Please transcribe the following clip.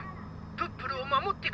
プップルをまもってください」。